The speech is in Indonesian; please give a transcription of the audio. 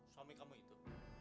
suami kamu itu